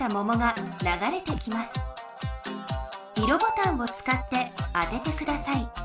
色ボタンをつかって当ててください。